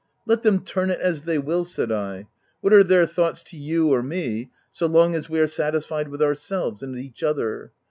"Let them turn it as they will," said I. " What are their thoughts to you or me, so long as we are satisfied with ourselves — and each other.